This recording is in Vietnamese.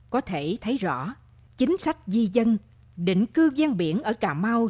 có thể thấy rõ chính sách di dân định cư gian biển ở cà mau